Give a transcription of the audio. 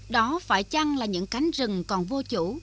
đó phải chăng là những cánh rừng còn vô chủ